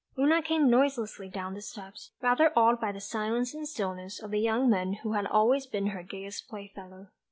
Oona came noiselessly down the steps, rather awed by the silence and stillness of the young man who had always been her gayest playfellow.